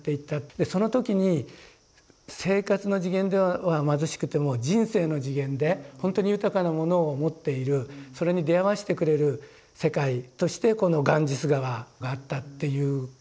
でその時に生活の次元では貧しくても人生の次元でほんとに豊かなものを持っているそれに出会わしてくれる世界としてこのガンジス河があったっていう。